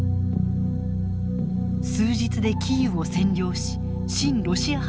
数日でキーウを占領し親ロシア派の政権を樹立。